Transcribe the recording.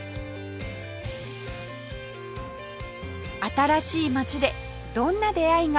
新しい町でどんな出会いが？